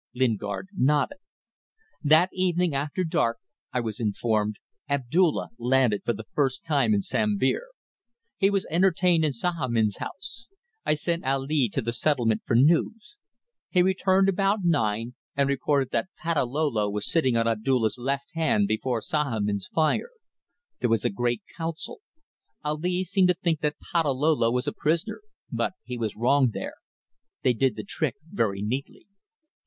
Lingard nodded. "That evening, after dark I was informed Abdulla landed for the first time in Sambir. He was entertained in Sahamin's house. I sent Ali to the settlement for news. He returned about nine, and reported that Patalolo was sitting on Abdulla's left hand before Sahamin's fire. There was a great council. Ali seemed to think that Patalolo was a prisoner, but he was wrong there. They did the trick very neatly.